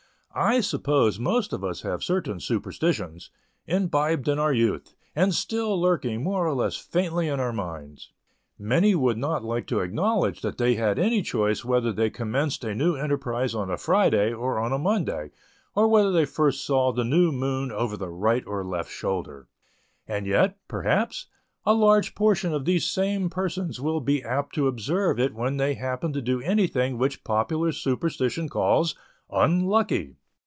I suppose most of us have certain superstitions, imbibed in our youth, and still lurking more or less faintly in our minds. Many would not like to acknowledge that they had any choice whether they commenced a new enterprise on a Friday or on a Monday, or whether they first saw the new moon over the right or left shoulder. And yet, perhaps, a large portion of these same persons will be apt to observe it when they happen to do anything which popular superstition calls "unlucky."